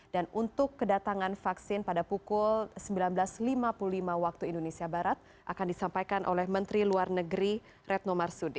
dan untuk kedatangan vaksin pada pukul sembilan belas lima puluh lima waktu indonesia barat akan disampaikan oleh menteri luar negeri retno marsudi